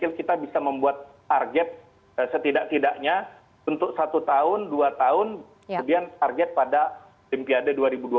kita bisa membuat target setidak tidaknya untuk satu tahun dua tahun kemudian target pada olimpiade dua ribu dua puluh empat